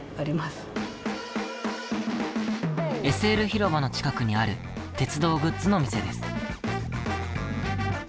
ＳＬ広場の近くにある鉄道グッズの店です。